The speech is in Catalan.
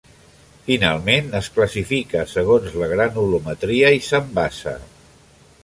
Finalment, es classifica segons la granulometria i s'envasa.